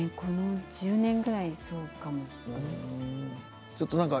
１０年ぐらいそうかもしれません。